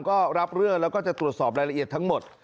ก็รับเรื่องแล้วก็จะตรวจสอบรายละเอียดทั้งหมด